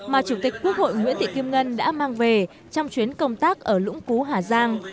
mà chủ tịch quốc hội nguyễn thị kim ngân đã mang về trong chuyến công tác ở lũng cú hà giang